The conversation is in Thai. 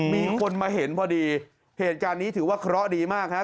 มีคนมาเห็นพอดีเหตุการณ์นี้ถือว่าเคราะห์ดีมากฮะ